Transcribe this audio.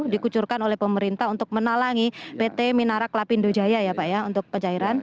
dikucurkan oleh pemerintah untuk menalangi pt minarak lapindo jaya ya pak ya untuk pencairan